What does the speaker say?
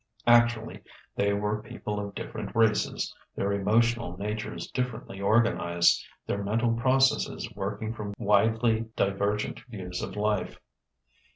Actually, they were people of different races, their emotional natures differently organized, their mental processes working from widely divergent views of life.